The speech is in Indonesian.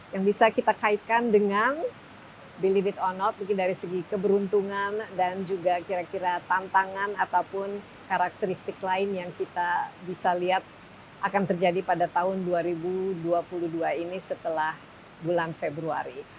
yang bisa kita kaitkan dengan delivit on out mungkin dari segi keberuntungan dan juga kira kira tantangan ataupun karakteristik lain yang kita bisa lihat akan terjadi pada tahun dua ribu dua puluh dua ini setelah bulan februari